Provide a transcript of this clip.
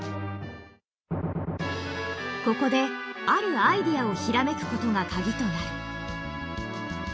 ここであるアイデアを閃くことがカギとなる。